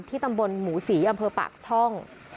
ตำบลหมูศรีอำเภอปากช่อง